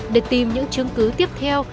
để tìm những chứng cứ tiếp theo